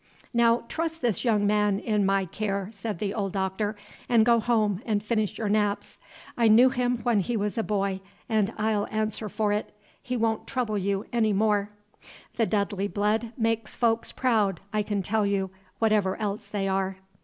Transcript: "Now trust this young man in my care," said the old Doctor, "and go home and finish your naps. I knew him when he was a boy and I'll answer for it, he won't trouble you any more. The Dudley blood makes folks proud, I can tell you, whatever else they are."